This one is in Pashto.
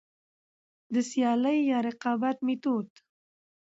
د سيالي يا رقابت ميتود: